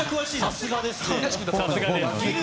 さすがです。